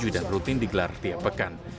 dan rutin digelar tiap pekan